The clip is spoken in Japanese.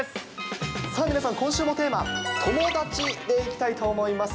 さあ皆さん、今週のテーマ、友達でいきたいと思います。